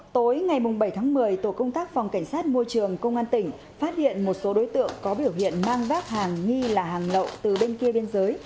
tối ngày bảy tháng một mươi tổ công tác phòng cảnh sát môi trường công an tỉnh phát hiện một số đối tượng có biểu hiện mang vác hàng nghi là hàng lậu từ bên kia biên giới